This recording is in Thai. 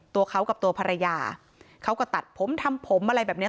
ตัวเขากับตัวภรรยาเขาก็ตัดผมทำผมอะไรแบบนี้